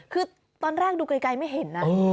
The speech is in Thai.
คือตอนแรกดูไกลไม่เห็นนะ